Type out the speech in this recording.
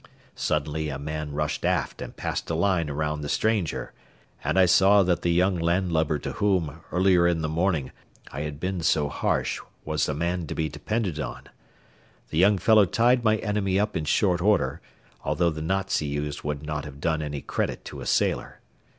Suddenly a man rushed aft and passed a line around the stranger, and I saw that the young landlubber to whom, earlier in the morning, I had been so harsh was a man to be depended on. The young fellow tied my enemy up in short order, although the knots he used would not have done any credit to a sailor.